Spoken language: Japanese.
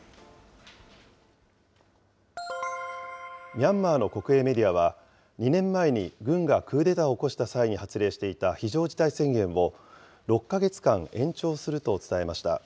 ミャンマーの国営メディアは、２年前に軍がクーデターを起こした際に発令していた非常事態宣言を、６か月間延長すると伝えました。